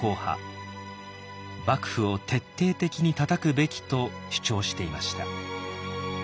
幕府を徹底的にたたくべきと主張していました。